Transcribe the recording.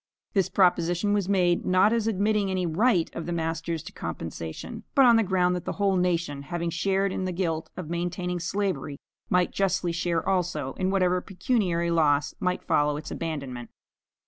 This proposition was made, not as admitting any right of the masters to compensation; but on the ground that the whole nation, having shared in the guilt of maintaining slavery, might justly share also in whatever pecuniary loss might follow its abandonment.